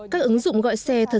các ứng dụng gọi xe không có tài xế